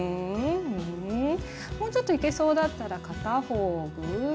もうちょっといけそうだったら片方ぐうわ。